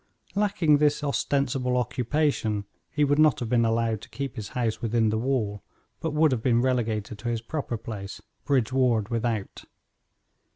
Lacking this ostensible occupation, he would not have been allowed to keep his house within the wall, but would have been relegated to his proper place Bridge Ward Without.